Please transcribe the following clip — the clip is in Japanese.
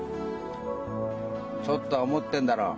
ちょっとは思ってんだろう？